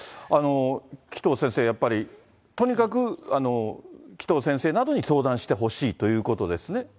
紀藤先生、やっぱりとにかく紀藤先生などに相談してほしいということですね